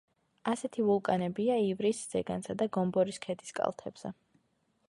ასეთი ვულკანებია ივრის ზეგანსა და გომბორის ქედის კალთებზე.